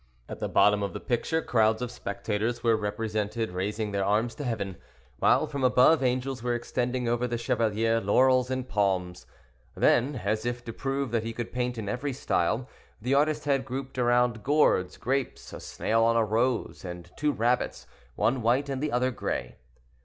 At the bottom of the picture crowds of spectators were represented raising their arms to heaven, while from above, angels were extending over the chevalier laurels and palms. Then, as if to prove that he could paint in every style, the artist had grouped around gourds, grapes, a snail on a rose, and two rabbits, one white and the other gray.